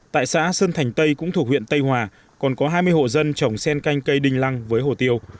tại xã sơn thành tây cũng thuộc huyện tây hòa còn có hai mươi hộ dân trồng sen canh cây đinh lăng với hồ tiêu